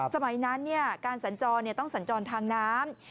สมัยนั้นการสัญจรต้องสัญจรทางน้ำ